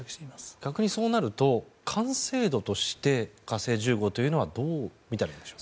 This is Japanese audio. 逆にそうなると完成度として火星１５というのはどう見たらいいんでしょう。